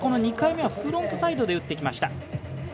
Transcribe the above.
２回目はフロントサイドで打ってきました。